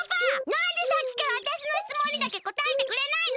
なんでさっきからわたしのしつもんにだけこたえてくれないの？